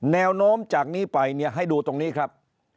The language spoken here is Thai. แนวโน้มจากนี้ไปเนี่ยให้ดูตรงนี้ครับ